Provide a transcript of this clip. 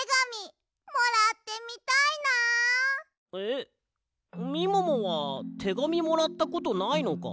えっみももはてがみもらったことないのか？